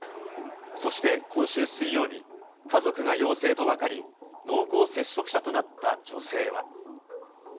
そして今週水曜日、家族が陽性と分かり、濃厚接触者となった女性は。